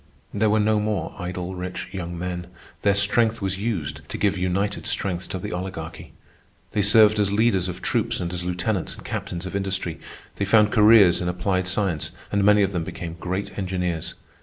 There were no more idle rich young men. Their strength was used to give united strength to the Oligarchy. They served as leaders of troops and as lieutenants and captains of industry. They found careers in applied science, and many of them became great engineers.